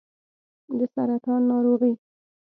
د سرطان ناروغي